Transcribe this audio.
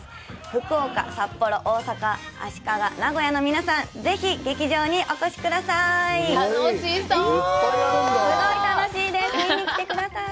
福岡、札幌、大阪、足利、名古屋の皆さん、ぜひ劇場にお越しください！